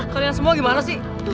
kalian semua gimana sih